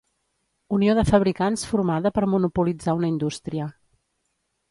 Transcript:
Unió de fabricants formada per monopolitzar una indústria.